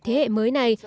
thế hệ mới này